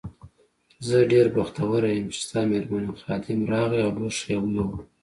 زه ډېره بختوره یم چې ستا مېرمن یم، خادم راغی او لوښي یې یووړل.